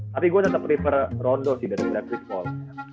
tapi gua tetep prefer rondo sih daripada chris paul